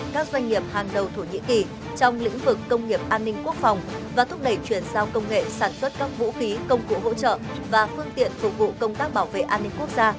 các doanh nghiệp hàng đầu thổ nhĩ kỳ trong lĩnh vực công nghiệp an ninh quốc phòng và thúc đẩy chuyển giao công nghệ sản xuất các vũ khí công cụ hỗ trợ và phương tiện phục vụ công tác bảo vệ an ninh quốc gia